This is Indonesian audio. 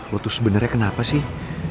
lo tuh sebenarnya kenapa sih